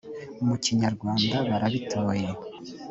mu kinyarwanda barabitoye